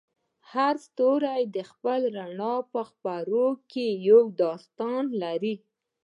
هر ستوری د خپل رڼا په څپو کې یو داستان لري.